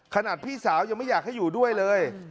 พี่สาวยังไม่อยากให้อยู่ด้วยเลย